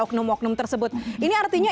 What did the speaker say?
oknum oknum tersebut ini artinya